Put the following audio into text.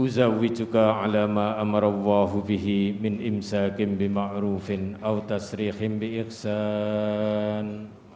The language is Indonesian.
usawwi juga ala ma amrallahu bihi min imsakim bima'rufin autasrihim bi'ikhsan